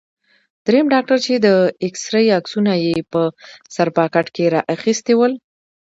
دریم ډاکټر چې د اېکسرې عکسونه یې په سر پاکټ کې را اخیستي ول.